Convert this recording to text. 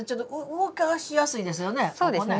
動かしやすいですよね。